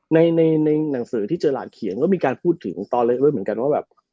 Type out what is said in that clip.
ในในหนังสือที่เจอหลานเขียนก็มีการพูดถึงตอนเล็กด้วยเหมือนกันว่าแบบ